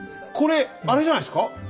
これあれじゃないですか？